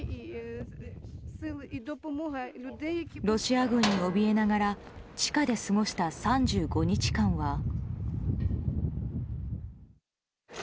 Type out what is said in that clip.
ロシア軍におびえながら地下で過ごした３５日間は。